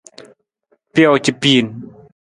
Pijoo ca piin.